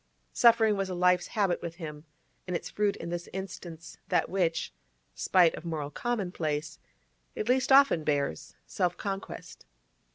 Suffering was a life's habit with him, and its fruit in this instance that which (spite of moral commonplace) it least often bears—self conquest.